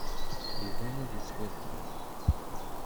Iban ad yettwiṭṭef.